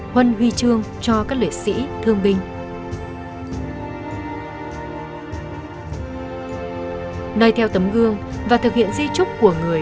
huân huy chương cho các liệt sĩ thương binh nơi theo tấm gương và thực hiện di trúc của người